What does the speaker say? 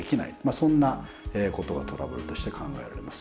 そんなことがトラブルとして考えられます。